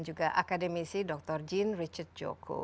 juga akademisi dr jin richard joko